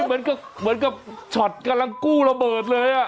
เหมือนกับช็อตกำลังกู้ระเบิดเลย